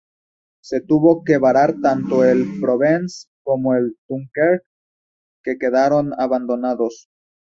Se tuvo que varar tanto el "Provence" como el "Dunkerque", que quedaron abandonados.